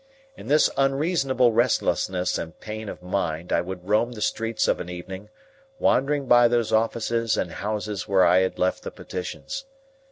In this unreasonable restlessness and pain of mind I would roam the streets of an evening, wandering by those offices and houses where I had left the petitions.